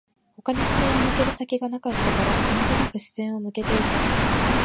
他に視線を向ける先がなかったから、なんとなく視線を向けていた